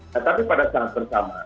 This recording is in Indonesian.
nah tapi pada saat bersama